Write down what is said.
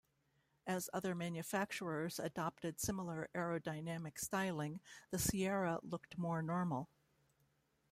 As other manufacturers adopted similar aerodynamic styling, the Sierra looked more normal.